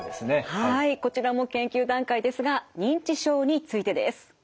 はいこちらも研究段階ですが認知症についてです。